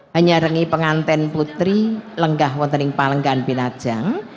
hanyarengi pengantin putri lenggah wetening palenggan binajang